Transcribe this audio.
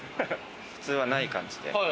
普通はない感じで。